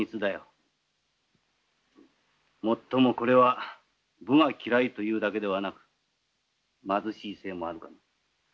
もっともこれは武が嫌いというだけではなく貧しいせいもあるがな。